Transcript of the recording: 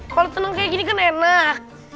kalau tenang kayak gini kan enak